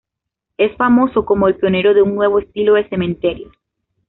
Es famoso como el pionero de un nuevo estilo de cementerios.